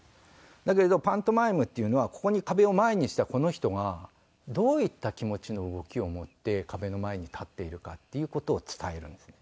だけれどパントマイムっていうのは壁を前にしたこの人がどういった気持ちの動きをもって壁の前に立っているかっていう事を伝えるんですね。